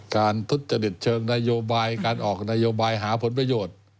ทุจริตเชิงนโยบายการออกนโยบายหาผลประโยชน์